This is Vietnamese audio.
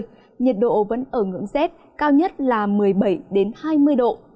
nhiệt độ vẫn ở ngưỡng rét cao nhất là một mươi bảy hai mươi độ